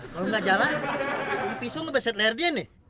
kalau gak jalan dipisuh ngebeset leher dia nih